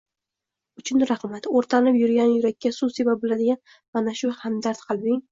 uchun rahmat. O'rtanib turgan yurakka suv sepa biladigan mana shu hamdard qalbing